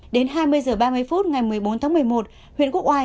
đến hai mươi h ba mươi phút ngày một mươi bốn tháng một mươi một huyện quốc oai